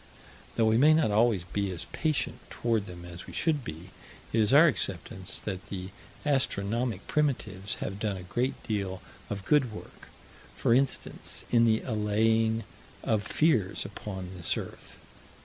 Though we may not always be as patient toward them as we should be, it is our acceptance that the astronomic primitives have done a great deal of good work: for instance, in the allaying of fears upon this earth.